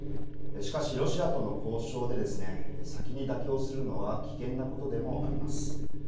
しかしロシアとの交渉で先に妥協するのは危険なことでもあります。